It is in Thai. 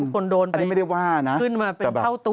คนโดนไปขึ้นมาเป็นเท่าตัว